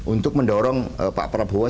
untuk mendorong pak prabowo